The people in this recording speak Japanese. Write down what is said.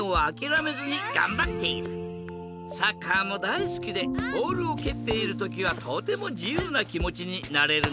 サッカーもだいすきでボールをけっているときはとてもじゆうなきもちになれるんだって。